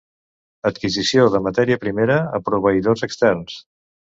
Adquisició de matèria primera a proveïdors externs.